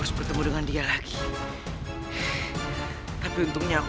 tidak semudah itu mengelabuhiku